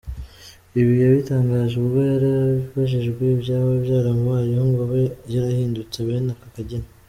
Ibi yabitangaje ubwo yari abajijwe ibyaba byaramubayeho ngo abe yarahindutse bene aka kageni.